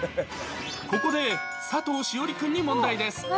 ここで佐藤栞里君に問題です。